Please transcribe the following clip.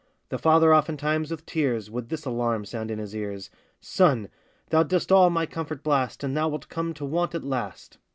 The father oftentimes with tears, Would this alarm sound in his ears; 'Son! thou dost all my comfort blast, And thou wilt come to want at last.